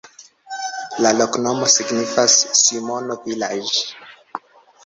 La loknomo signifas: Simono-vilaĝ'.